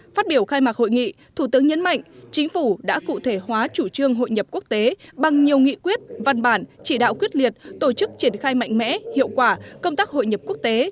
phát biểu khai mạc hội nghị thủ tướng nhấn mạnh chính phủ đã cụ thể hóa chủ trương hội nhập quốc tế